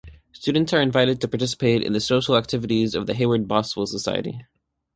Students are invited to participate in the social activities of the Heyward Boswell Society.